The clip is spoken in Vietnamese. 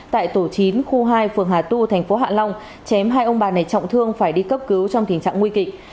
tại tổ chín khu hai phường hà tu thành phố hạ long chém hai ông bà này trọng thương phải đi cấp cứu trong tình trạng nguy kịch